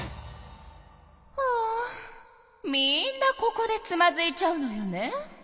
ああみんなここでつまずいちゃうのよね。